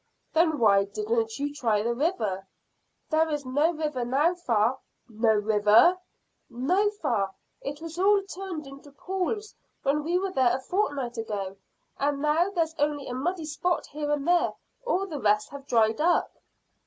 "Then why didn't you try the river?" "There is no river now, fa." "No river?" "No, fa; it was all turned into pools when we were there a fortnight ago, and now there's only a muddy spot here and there; all the rest have dried up."